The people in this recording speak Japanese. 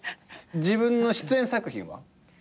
自分の出演作品は見る？